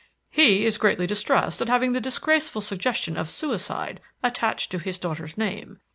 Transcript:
"He is greatly distressed at having the disgraceful suggestion of suicide attached to his daughter's name.